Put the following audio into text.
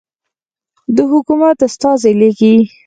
د حکومت استازی لیکي.